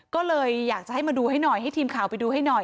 ก็เลยอยากจะให้มาดูให้หน่อยให้ทีมข่าวไปดูให้หน่อย